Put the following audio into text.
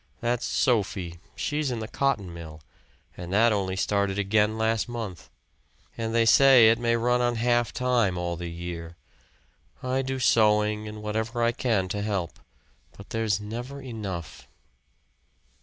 That's Sophie she's in the cotton mill, and that only started again last month. And they say it may run on half time all the year. I do sewing and whatever I can to help, but there's never enough."